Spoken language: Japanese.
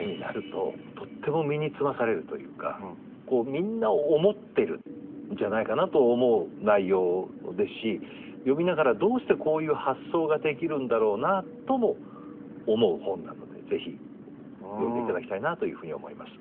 みんなを思ってるんじゃないかなと思う内容ですし読みながらどうしてこういう発想ができるんだろうなとも思う本なのでぜひ読んでいただきたいなというふうに思います。